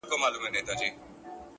د خدای د نور جوړو لمبو ته چي سجده وکړه’